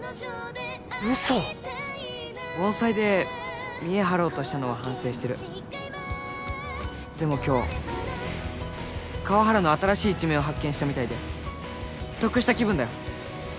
ウソ盆栽で見栄張ろうとしたのは反省してるでも今日川原の新しい一面を発見したみたいで得した気分だよ